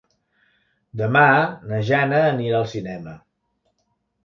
Demà na Jana anirà al cinema.